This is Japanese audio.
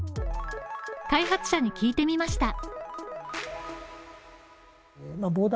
開発者に聞いてみました。